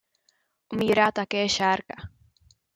Umírá také Šárka.